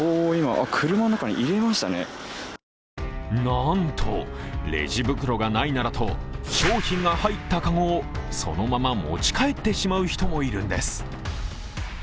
なんとレジ袋がないならと、商品が入ったかごをそのまま持ち帰ってしまう人もいるんです。